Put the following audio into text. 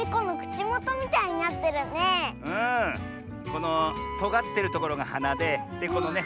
このとがってるところがはなでこのね